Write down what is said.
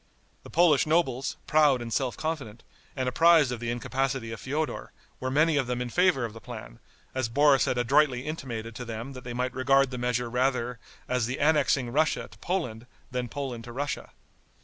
The Polish nobles, proud and self confident, and apprised of the incapacity of Feodor, were many of them in favor of the plan, as Boris had adroitly intimated to them that they might regard the measure rather as the annexing Russia to Poland than Poland to Russia.